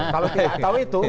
kalau tidak tahu itu